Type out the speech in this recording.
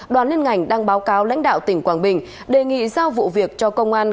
đoàn liên ngành đang báo cáo lãnh đạo tỉnh quảng bình đề nghị giao vụ việc cho công an